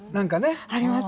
あります。